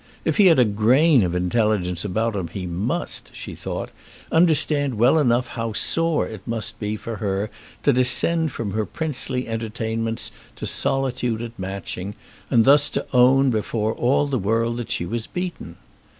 If he had a grain of intelligence about him he must, she thought, understand well enough how sore it must be for her to descend from her princely entertainments to solitude at Matching, and thus to own before all the world that she was beaten.